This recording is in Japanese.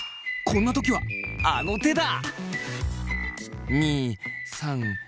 こんな時はあの手だ！